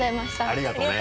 ありがとうね。